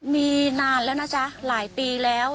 มีนานแล้วนะจ๊ะหลายปีแล้ว